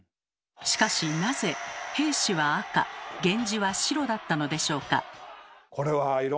しかしなぜ平氏は赤源氏は白だったのでしょうか？